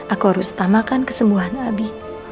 aku harus tamakan kesembuhan abi